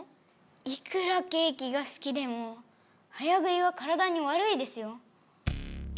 いくらケーキがすきでも早食いは体にわるいですよ。